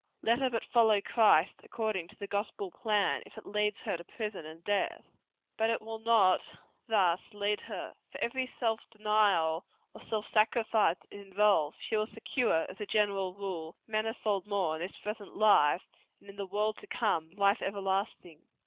Let her but follow Christ according to the gospel plan, if it lead her to prison and to death. But it will not thus lead her. For every self denial or self sacrifice it involves, she will secure, as a general rule, manifold more in this present life, and in the world to come, life everlasting.